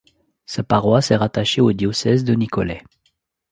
Sa paroisse est rattachée au diocèse de Nicolet.